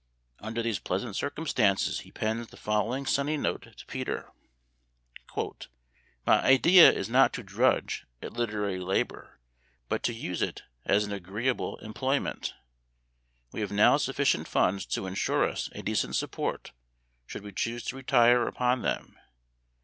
Under these pleasant circumstances he peris the following sunny note to Peter :" My idea is not to dmdge at literary labor, but to use it as an agreeable employment. We have now sufficient funds to insure us a decent support should we choose to retire upon them.